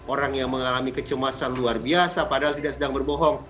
orang yang mengalami kecemasan luar biasa padahal tidak sedang berbohong